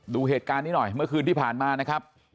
ดูเหตุการณ์นี้หน่อยเมื่อคืนที่ผ่านมานะครับ